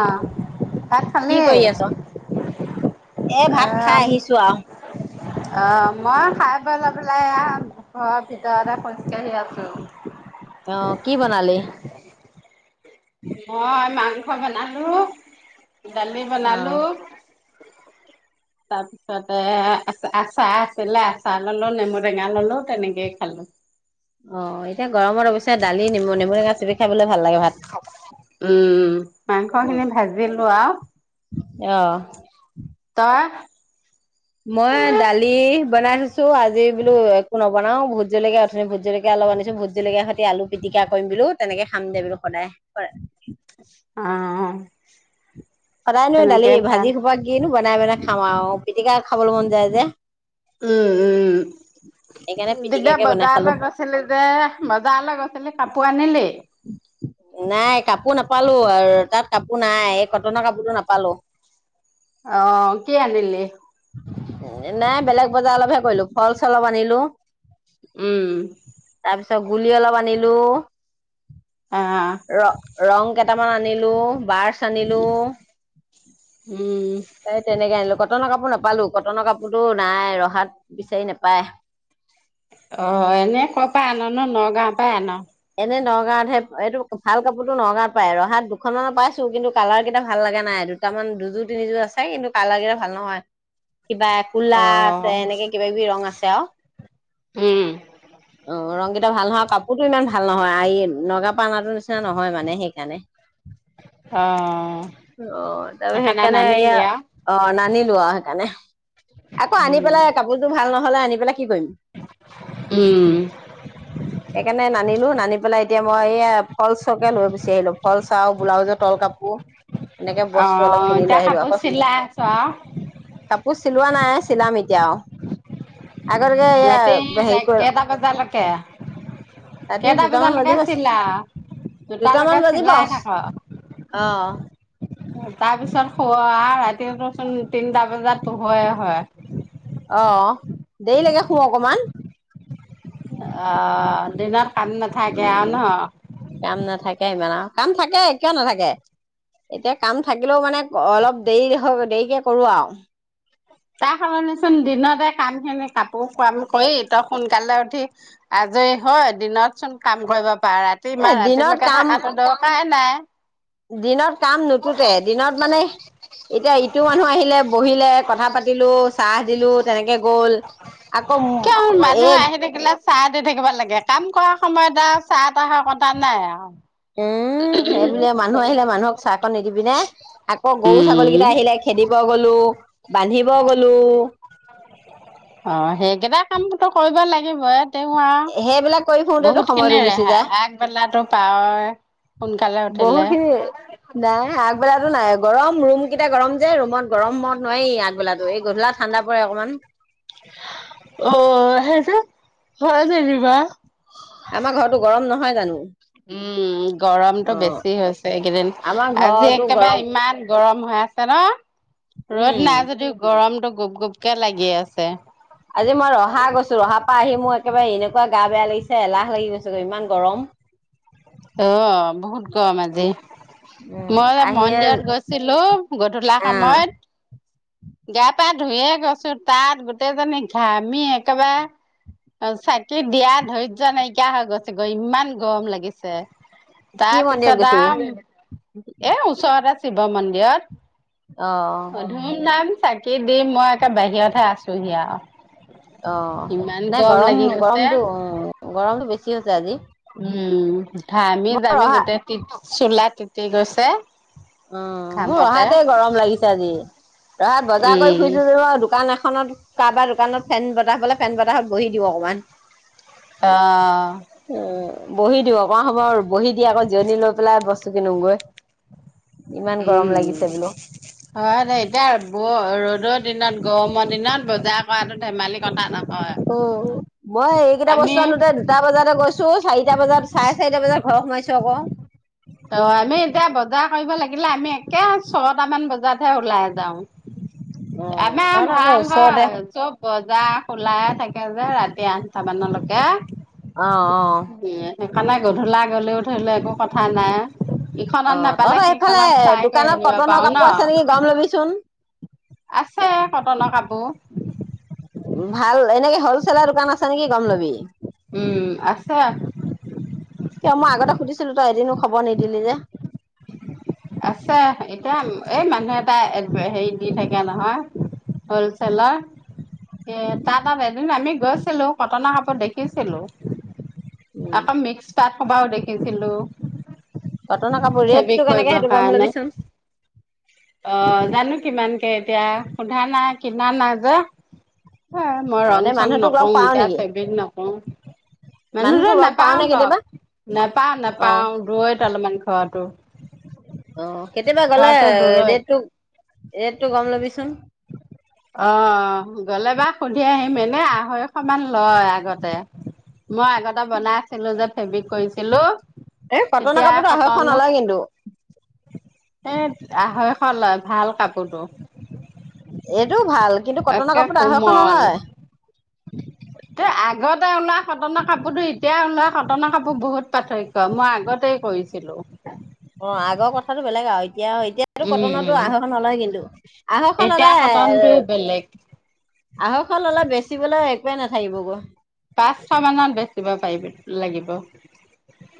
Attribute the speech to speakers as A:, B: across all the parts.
A: আহ ভাত
B: কি
A: খালে?
B: কৰি আছ? এ' ভাত খাই আহিছো আৰু।
A: অ', মই খাই বই লৈ পেলাই এয়া। অ', ঘৰ ভিতৰতে খজকাঢ়ি আছো।
B: অ', কি বনালি?
A: মই মাংস বনালো, দালি
B: অ'
A: বনালো।
B: [inaudible]
A: তাত। তাৰপিছতে আচাৰ আছিলে, আচাৰ ললো, নেমু টেঙা ললো, তেনেকেই খালো।
B: অ', এতিয়া গৰমত অৱশ্যে দালি নেমু, নেমু টেঙা খাবলে ভাল লাগে। ভাত।
A: উম', মাংস খিনি ভাজিলো আৰু।
B: আহ'।
A: তই?
B: মই দালি বনাই থৈছো, আজি বোলো একো নবনাও, ভোট জলকীয়া অথনি ভোট জলকীয়া অলপ আনিছো জলকীয়া সৈতে আলু পিটিকা কৰিম বোলো, তেনেকে খাম দে বোলো সদায় হয়'।
A: অ', অ'।
B: সদায়নো দালি,
A: তেনেকে ভাল
B: ভাজি সোপা কিনো বনাই বনাই খাম আৰু, পিটিকা খাবলৈ মন যায় যে।
A: উম',
B: সেইকাৰণে
A: উম', দয়া
B: পিটিকাকে বনাই
A: বজাৰ
B: খালো।
A: লগ আছিল যে, বজাৰলৈ গৈছিলি কাপোৰ আনিলি?
B: নাই কাপোৰ নাপালো আৰু তাত কাপোৰ নাই, এই কটনৰ কাপোৰতো নাপালো। [inaudible]
A: অহ', কি আনিলি?
B: নাই বেলেগ বজাৰ অলপহে কৰিলো, ফল চল অলপ আনিলো।
A: উম',।
B: তাৰপিছত গুলি অলপ আনিলো।
A: অ',।
B: ৰং- ৰং কেইটামান আনিলো, ব্ৰাছ আনিলো।
A: উম,
B: এই তেনেকে আনিলো, কটনৰ কাপোৰ নাপালো, কটনৰ কাপোৰতো নাই, ৰহাত বিচাৰি নাপায়।
A: অ', এনেই কৰ' পৰা আন নো? নগাঁৱৰ পৰা আন'।
B: এনে নগাঁৱত হে, এইটো ভাল কাপোৰতো নগাঁৱত পাই, ৰহাত দুখনমানৰ পাইছো, কিন্তু কালাৰ কেইটা ভাল লগা নাই এই। দুটামান দুযোৰ, তিনিযোৰ আছে কিন্তু কালাৰ কিটা ভাল নহয়। কিবা ক'লা আছে,
A: অ',
B: এনেকে কিবা কিবি ৰং আছে আৰু।
A: উম,
B: অ', ৰংকেইটা ভাল নহয় কাপোৰতো ইমান ভাল নহয়, আ' নগাওঁ পৰা অনা নিচনা নহয় মানে সেইকাৰণে।
A: অ',
B: অ', ত' সেইকাৰণে এইয়া
A: নানিলি আৰু?
B: অ', নানিলো আৰু সেইকাৰণে। আকৌ আনি
A: উম,
B: পেলাই কাপোৰটো ভাল নহলে, আনি পেলাই কি কৰিম।
A: উম।
B: সেইকাৰণে নানি লো। নানি পেলাই, এতিয়া মই, এইয়া, ফলচকে লৈ গুচি আহিলোঁ, ফলচ আৰু ব্লাউজৰ তল কাপোৰ। এনেকে বস্তু অলপ
A: অ',
B: কিনি লৈ
A: এতিয়া
B: আহিলোঁ।
A: কাপোৰ
B: আকৌ
A: চিলাই আছ আৰু
B: কাপোৰ চিলোৱা নাই, চিলাম এতিয়া, অ'। আগতকে, এইয়া
A: ৰাতি
B: সেৰি কৰি
A: [unintelligible]
B: ৰাতি
A: কেইটা
B: দুটামান
A: বজালৈকে
B: বাজিব,
A: চিলাও? দুটালৈকে
B: দুটামান বাজিব।
A: চিলাই থাক,
B: অ'!
A: তাৰপিছত, শু আৰু ৰাতিচোন, তিনটা বজাত পোহৰে হয়।
B: অ'! দেৰিলৈকে শু অকমান।
A: অ'! দিনত কাম নাথাকে আৰু
B: উম,
A: ন'।
B: কাম নাথাকে ইমান আৰু। কাম থাকে, কিয় নাথাকে? এতিয়া, কাম থাকিলেও মানে, অলপ দেৰি, দেৰিকে কৰোঁ আৰু।
A: তাইৰ সলনিচোন, দিনতে কামখিনি কাপোৰ কাম কৰি, তই সোনকালে উঠি, আজৰি হয়, দিনতচোন কাম কৰিব পাৰ। ৰাতি,
B: এ
A: ইমান
B: দিনত
A: ৰাতিলৈকে
B: কাম
A: থাকাতো ত' নাই-নাই।
B: দিনত কাম নুতুতে। দিনত মানে, এতিয়া ইটো মানুহ আহিলে, বহিলে কথা পা তিলো, চাহ দিলোঁ, তেনেকে গ'ল। আকৌ,
A: কিয় মানুহ
B: এই
A: আহি থাকিলে চাহ দি থাকিব লাগে। কাম কৰা সময়ত আৰু চাহ-তাহৰ কথা নাই আৰু।
B: উম, সেইবুলিয়ে মানুহ আহিলে, মানুহক চাহকণ নিদিবিনে? আকৌ, গৰু,
A: উম।
B: ছাগলীকেইটা আহিলে, খেদিব গলোঁ, বান্ধিব গলোঁ।
A: অ'! সেইকেইটা কামতো ত' কৰিব লাগিবই। [unintelligible]
B: সেইবিলাক কৰি
A: আৰু
B: ফুৰোতেতো
A: বহুত
B: সময়টো
A: খিনি
B: গুচি
A: ৰেহাই।
B: যায়
A: আগবেলাটো পাওঁ, সোনকালে
B: বহুত
A: উঠিলে।
B: খিনি নাই আগবেলাটো নাই, গৰম! ৰুম কেইটা গৰম যে, ৰুমত গৰমত নোৱাৰি আগবেলাতো। এই গধূলাত ঠাণ্ডা পৰে, অকমান।
A: অ'! সেইটো, হয় যেনিবা।
B: আমাৰ ঘৰটো গৰম নহয় জোনোঁ!
A: উম, গৰমটো বেছি হৈছে, এইকেইদিন।
B: আমাৰ
A: আজি
B: ঘৰতো গৰম
A: একেবাৰে ইমান গৰম হৈ আছে ন? ৰ'দ
B: উম
A: নাই যদিও, গৰমতটো গোপ-গোপকে লাগি আছে।
B: আজি মই ৰহা গৈছোঁ, ৰহাৰ পৰা আহি মোৰ, একেবাৰে এনেকুৱা গা বেয়া লাগিছে, এলাহ লাগি গৈছে, ইমান গৰম!
A: অ'! বহুত কম আজি। মই
B: আহিয়ে
A: মন্দিৰত গৈছিলোঁ, গধূলা
B: আহ
A: সময়ত। গা-পা ধুইয়ে গৈছোঁ। তাত গোটেইজনী ঘামি একেবাৰে অ'! চাকি দিয়া ধৈৰ্য্য নাইকিয়া, হৈ গৈছেগৈ। ইমান গৰম লাগি ছেম!
B: কি মন্দিৰত
A: তাৰপিছত,
B: গৈছিলি
A: আও এ, ওচৰতে শিৱ মন্দিৰত।
B: অ
A: অ'! ধুম-ধাম চা কি দি, মই একে বাহিৰতহে আছোঁহি আৰু।
B: অ'!
A: ইমান
B: নাই
A: গৰম লাগি গৈছে।
B: গৰম-গৰমটো উম, গৰমটো বেছি হৈছে আজি।
A: উম,
B: মই
A: ঘামি-যামি
B: ৰহা
A: গোটেই, তিত, চোলা তিতি গৈছে।
B: অ'! মোৰ
A: ঘামতে
B: অহাতে গৰম লাগিছে, আজি। তই বজাৰ কৰি
A: উম,
B: ফুৰিছোঁ [unintelligible] দোকান এখনত, কাৰোবাৰ দোকানত, বনাবলে ফেন বতাহত বহি দিওঁ অকমান।
A: অ'!
B: উ বহি দিওঁ অকমান সময় বহি দি আকৌ জিৰণি লৈ পেলাই বস্তু কিনোমগৈ।
A: উম।
B: বোলো
A: হয় দে এতিয়া বৰ ৰ'দৰ দিনত গৰমৰ দিনত বজাৰ কৰাটো ধেমালি কথা নহয়।
B: ঔ মই এইকেইটা
A: আমি
B: বস্তু আনোতে দুটা বজাতে গৈছো চাৰিটা বজাত চাৰে চাৰটা বজাত ঘৰ সোাইছো আকৌ।
A: অ আমি এতিয়া বজাৰ কৰিব লাগিলে আমি একে ছটামান বজাতহে ওলাই যাওঁ।
B: অ',
A: আমে
B: তহঁতৰ আকৌ
A: ভাল
B: ওচৰতে
A: হয় চব। বজা খোলাই থাকে যে ৰাতি আঠটা মানলৈকে।
B: আহ অ।
A: উম সেইকাৰণে গধূলা গলেও ধৰি লও একো কথা নাই।
B: অ
A: ইখনত নাপালে
B: তহঁতৰ
A: সিখনত চাই কৰি আনিব পাৰো ন।
B: গাম লবি ছোন।
A: আছে কটনৰ কাপোৰ।
B: ভাল এনেকে হলছেলৰ দোকান আছে নেকি গম লবি।
A: উম আছে।
B: কিয় মই আগতে সুধিছিলো তই এদিনো খবৰ নিদিলি যে।
A: আছে এতিয়া এই মানুহ এটা হেৰি দি থাকে নহয়। হলছেলাৰ। এ তাৰ তাত এদিন আমি গৈছিলো কটনৰ কাপোৰ দেখিছিলো।
B: উম
A: আকৌ মিক্স পাত সোপাও দেখিছিলো।
B: কটনৰ কাপোৰ
A: ফেব্ৰিক
B: ৰেটো কেনেকে
A: কৰিবৰ
B: সেইটো গম
A: কাৰণে।
B: ল'বিচোন।
A: জানো কিমানকে এতিয়া সোধা নাই কিনা নাই যে। হে মই
B: অ
A: ৰং
B: নে
A: চং
B: মানুহটোক লগ
A: নকৰোঁ
B: পাও
A: এতিয়া
B: নেকি
A: ফেব্ৰিক নকৰোঁ। মানুহতো
B: মানুহটোক লগ পাও
A: নাপাওঁ
B: নে
A: লগ
B: কেতিয়াবা
A: নেপাওঁ
B: অ
A: নেপাওঁ দূৰৈত অলপমান ঘৰটো।
B: অ কেতিয়াবা গ'লে
A: ঘৰটো দূৰৈত
B: ৰেটটো ৰেটটো গম ল'বিচোন।
A: অ গ'লে বা সুধি আহিম এনে আঢ়ৈশমান লয় আগতে। মই আগতে বনাই আছিলো যে ফেব্ৰিক কৰি ছিলোঁ
B: এই কটনৰ
A: তেতিয়া
B: কাপোৰতো আঢ়ৈশ
A: কটনৰ
B: নলয় কিন্তু
A: এ আঢ়ৈশ লয় ভাল কাপোৰটো।
B: এইটো ভাল কিন্তু কটনৰ
A: একে
B: কাপোৰটো আঢ়ৈশ
A: কোমল
B: নলয়।
A: ত আগতে ওলোৱা কটনৰ কাপোৰতো এতিয়া ওলোৱা কটনৰ কাপোৰ বহুত পাৰ্থ কৈ মই আগতে কৰিছিলো।
B: অ আগৰ কথাতটো বেলেগ আৰু এতিয়া এতিয়া এইটো
A: উম
B: কটনতো
A: উম
B: আঢ়ৈশ নলয় কিন্তু আঢ়ৈশ
A: এতিয়া
B: ললে
A: কটনটো বেলেগ
B: এ আঢ়ৈশ ললে বেচিবলৈ একোৱেই নাথাকিব গৈ।
A: পাঁচশ মানত বেচিব পাৰিবি লাগিব।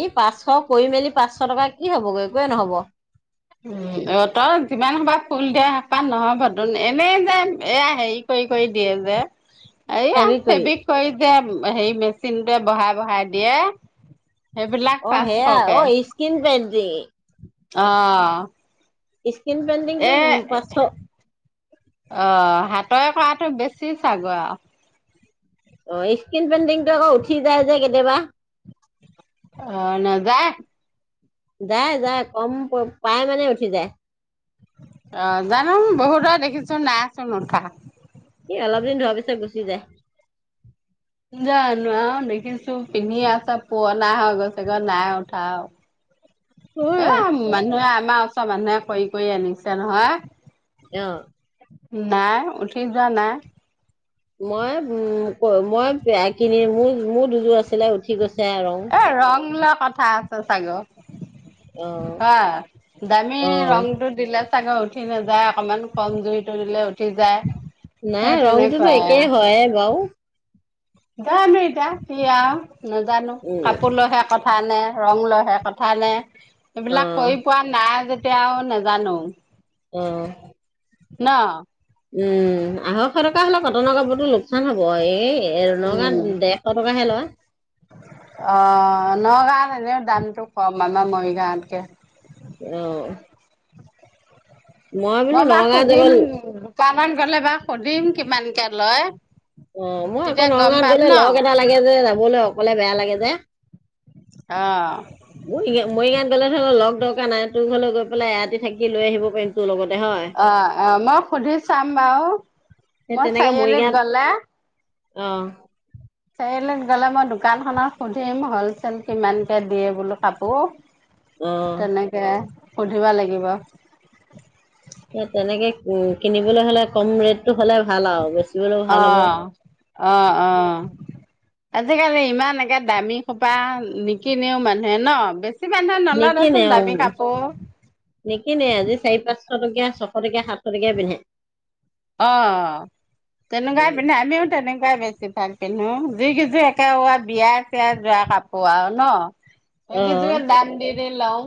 B: এই পাঁচশ কৰি মেলি পাঁচশ টকা কি হ'বগৈ একোৱে নহ'ব।
A: উ অ তই যিমান সোপাৰ ফুল দিয় সেইপাহত নহবটোন এনেই যে এয়া হেৰি কৰি কৰি দিয়ে যে।
B: [unintelligible]
A: এইয়া ফেব্ৰিক কৰি যে হেৰি মেচিনটোৱে বহাই বহাই দিয়ে।
B: অ
A: সেইবিলাক
B: সেয়া অ
A: পাঁচশকে।
B: Skin painting.
A: অহ।
B: স্কিন পেইণ্টিংটো পাঁচশ।
A: অঁ হাতৰে কৰাটো বেছি চাগৈ আও।
B: অঁ স্কিন পেণ্টিংটো আকৌ উঠি যায় যে কেতিয়াবা।
A: অঁ নাযায়।
B: যায় যায় কম পাই মানে উঠি যায়।
A: অঁ নাজানো বহুতৰে দেখিছো নাইচোন উঠা।
B: ই অলপ দিন ধোৱা পিছত গুচি যায়।
A: জানো আৰু দেখিছো পিন্ধি আছে পুৰনা হৈ গৈছে গৈ নাই উঠাও।
B: [unintelligible]
A: মানুহে আমাৰ ওচৰ মানুহে কৰি কৰি আনিছে নহয়।
B: অঁ'।
A: নাই উঠি যোৱা নাই।
B: মই উম ক মই পেয়া কিনি মোৰ মোৰ দুযোৰ আছিলে উঠি গৈছে আৰু ৰং।
A: এ ৰং লৈ কথা আছে চাগৈ।
B: অ
A: হয়, দামী
B: অ
A: ৰংটোত- দিলে চাগৈ উঠি নাযায়, অকমান কম জুৰিটো দিলে উঠ- ঠি যায়,
B: নাই
A: সেই
B: ৰংটোতো
A: তেনেকুৱাই
B: একেই
A: আ।
B: হয়ে বাৰু।
A: জানো এতিয়া কি আৰু নাজানো
B: উম
A: কাপোৰ লৈহে- কথা নে ৰং লৈহে কথা নে?
B: অ
A: সেইবিলাক কৰি পোৱাত- নাই যেতিয়া আও নাজানো।
B: অঁ'।
A: ন?
B: উম' আঢ়ৈশ টকা হ'লো কটনৰ কাপোৰতো লোকচান হব, এই- এ নগাঁ
A: উম
B: গাওঁত ডেৰশ টকাহে লয়।
A: অঁ নগাঁৱত সেনেকে দামতো কম আমাৰ মৰিগাঁৱতকে।
B: অঁ'। বোলো
A: মই বা
B: নগাঁৱত যাব
A: সুধিম দোকানত গ'লে বা সুধিম কিমানকে লয়?
B: অঁ মই আকৌ
A: তেতিয়া গম
B: নগাঁৱত
A: পাম
B: গলে
A: ন
B: লগ এটা লাগে যে যাবলে অকলে বেয়া লাগে যে।
A: অঁ'।
B: মৰিগা মৰিগাঁত গ'লে ধৰি ল লগ দৰকাৰ নাই তোৰ ঘৰলে গৈ পেলাই এৰাতি থাকি লৈ আহিব পাৰিম তোৰ লগত।
A: অঁ অঁ মই সুধি চাম বাৰু মই চাৰিআলিত গলে।
B: অঁ'।
A: চাৰি আলিত গ'লে মই দোকানখনত সুধিম হলচেল কিমানকে দিয়ে বোলো কাপোৰ।
B: অ
A: তেনেকে সুধিব লাগিব।
B: এ তেনেকে উম কিনিবলৈ হ'লে কম ৰেটটো হলে ভাল আৰু বেছ-
A: অঁ অঁ অঁ। আজিকালি ইমান একে দামী খোপা নিকিনেও মানুহে ন বেছ- ছি মানুহে নলয় দেচোন দামি কাপোৰ।
B: নিকিনেই আজি চাৰি পাঁচশ টকীয়া ছশটকিয়া সাতশ টকিয়া পিন্ধে।
A: অঁ'। তেনেকুৱাই
B: উম,
A: পিন্ধে আমিও তেনেকুৱাই বেছি ভাল পিন্ধো, যি কিযোৰ একে কবা বিয়াত- যোৱা কাপোৰ আৰু ন,
B: অ
A: সেই গিযোৰে দাম দি দি লওঁ।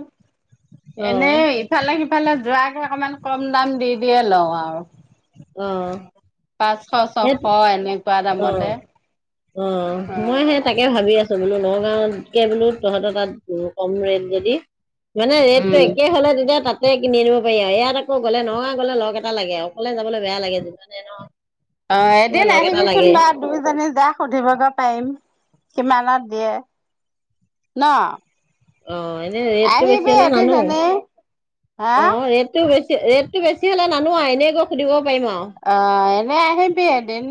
B: অ
A: এনেই ইফালে সিফালে যোৱাকে অকমান কম দাম দি দিয়ে লওঁ আৰু।
B: অঁ'।
A: পাঁচশ ছশ এনেকুৱা দামতে।
B: অঁ,
A: অ
B: মই সেই তাকে ভাবি আছোঁ। বোলো নগাঁৱত কে বোলো তহঁতৰ তাত কম ৰেট যদি- মানে ৰেটটো
A: উম
B: একে হলে তেতিয়া তাত- তাতে কিনি আনিব পাৰি আৰু ইয়াত আকৌ গ'লে নগাঁও গ'লে লগ এটা লাগে, অকলে যাবলৈ বেয়া লাগে।
A: অঁ,
B: এ
A: এদিন
B: লগ এটা
A: আহিবিচোন
B: লাগে
A: বাৰ দুইজনী যাক সুধিবগে পাৰিম কিমানত দিয়ে? ন!
B: অঁ, এনে ৰেটটো বেছি
A: আহিবি
B: হলে
A: এদিন
B: নানো।
A: এনেই হা
B: অঁ, ৰেট- টো বেছি ৰেটত বেছি হ'লে নানো আও, এনেই গৈ সুধিব পাৰিম আৰু।
A: অঁ, এনেই আহিবি এদিন।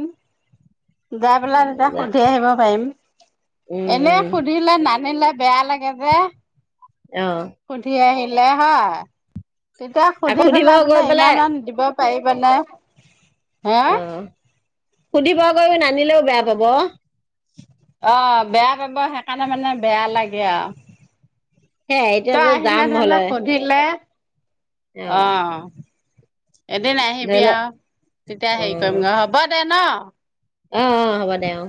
A: যায় পেলাই তেতিয়া সুধি আহিব পাৰিম।
B: উম
A: এনে
B: উম
A: সুধিলে ন- সুধিলে বেয়া লাগে যে।
B: অঁ।
A: সুধি আহিলে হয়। তেতিয়া
B: আকৌ
A: সুধি
B: সুধিব
A: পেলাই
B: গৈ
A: বোলে
B: পেলাই
A: ইমান দিব- পাৰিবা নে?
B: অঁ, সুধিবা আকৌ নানিলেও বেয়া পাব।
A: অঁ বেয়া পাব। সেইকাৰণে মানে বেয়া লাগে আৰু।
B: সেয়াই এতিয়া
A: তই
B: যে
A: আহিলে
B: যাম
A: মানে
B: হলে
A: সুধিলে
B: অ
A: অঁ। এদিন
B: ধৰি
A: আহিবি
B: লওক
A: আৰু তেতিয়া হেৰি কৰিম। অঁ, হ'ব দে ন?
B: অঁ -অঁ হ'ব দে অঁ।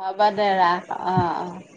A: হ'ব দে ৰাখ অঁ- অঁ।